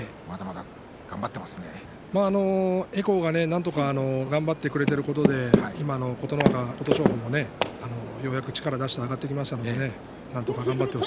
琴恵光が、なんとか頑張ってくれていることで今の琴ノ若や琴勝峰もようやく力を出して上がってきましたのでね